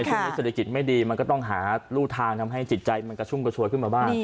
ช่วงนี้เศรษฐกิจไม่ดีมันก็ต้องหารู่ทางทำให้จิตใจมันกระชุ่มกระชวยขึ้นมาบ้าง